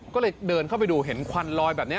ก็เลยเดินเข้าไปดูเห็นควันลอยแบบนี้